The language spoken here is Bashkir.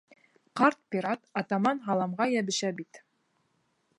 Ҡарт пират, атаман һаламға йәбешә бит.